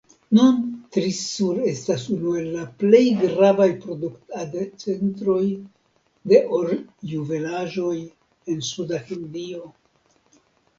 Nun Trissur estas unu el la plej gravaj produktadcentroj de orjuvelaĵoj en Suda Hindio.